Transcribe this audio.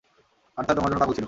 Arthur তোমার জন্য পাগল ছিল।